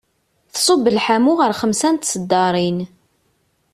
Tṣub lḥamu ɣer xemsa n tseddarin.